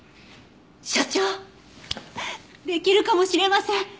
所長できるかもしれません！